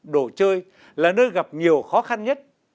đồ chơi là nơi gặp nhiều khó khăn nhất